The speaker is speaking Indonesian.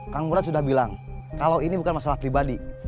kang murad sudah bilang kalau ini bukan masalah pribadi